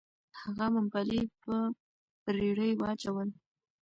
هغه ممپلي په رېړۍ واچول. .